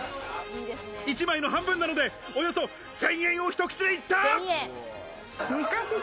１枚の半分なので１０００円をひと口でいった！